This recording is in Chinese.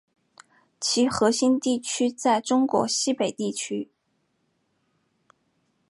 其核心地区在中国西北地区。